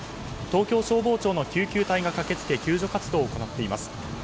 東京消防庁の救急隊が駆け付け救助活動を行っています。